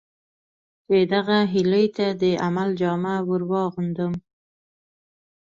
چې دغه هیلې ته د عمل جامه ور واغوندم.